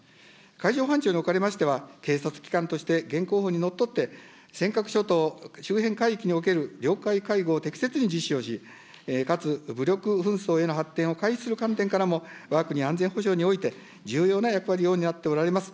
海上保安庁におかれましては、警察機関として現行法にのっとって、尖閣諸島周辺海域における領海海防を適切に実施をし、かつ武力紛争への発展を回避する観点からも、わが国安全保障において、重要な役割を担っておられます。